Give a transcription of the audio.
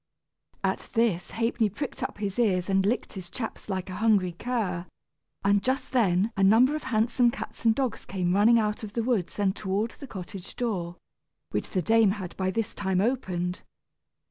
At this Ha'penny pricked up his ears and licked his chaps like a hungry cur; and just then a number of handsome cats and dogs came running out of the woods and toward the cottage door, which the dame had by this time opened.